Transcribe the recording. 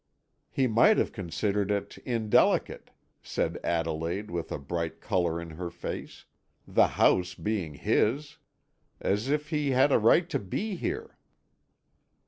"He might have considered it indelicate," said Adelaide with a bright colour in her face, "the house being his. As if he had a right to be here."